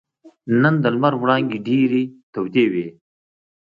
نن د لمر وړانګې ډېرې تودې وې.